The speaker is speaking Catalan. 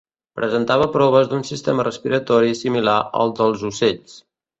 Presentava proves d'un sistema respiratori similar al dels ocells.